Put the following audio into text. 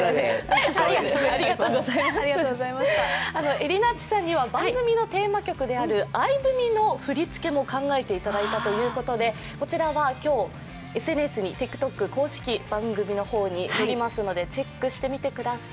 えりなっちさんには番組のテーマ曲である「愛文」の振り付けも考えていただいたということでこちらは今日、ＳＮＳ、ＴｉｋＴｏｋの公式番組の方に載りますのでチェックしてみてください。